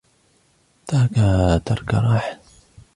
تَرَكَهَا تَرْكَ رَاحَةٍ